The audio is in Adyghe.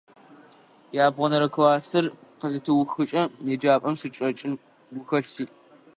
Ябгъонэрэ классыр къызытыухыкӀэ еджапӀэм сычӀэкӀын гухэлъ сиӀ.